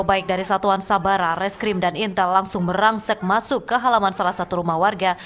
baik dari satuan sabara reskrim dan intel langsung merangsek masuk ke halaman salah satu rumah warga